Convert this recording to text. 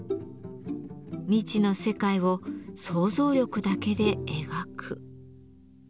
未知の世界を想像力だけで描く。